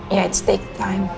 ya itu waktu yang terlalu lama